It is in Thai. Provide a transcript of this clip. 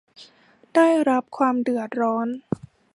ได้รับความเดือดร้อน